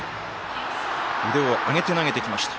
腕を上げて投げてきました。